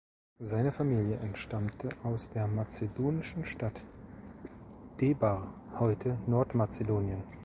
Seine Familie entstammte aus der mazedonischen Stadt Debar (heute Nordmazedonien).